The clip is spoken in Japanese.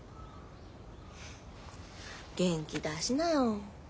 元気出しなよ。